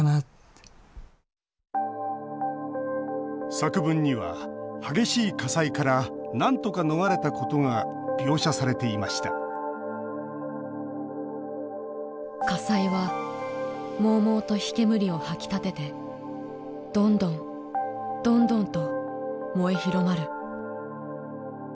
作文には激しい火災からなんとか逃れたことが描写されていました「火災は、猛々と火煙をはき立ててどんどんともえ廣まる。